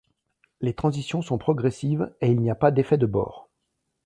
Les transitions sont progressives, et il n'y a pas d'effet de bord.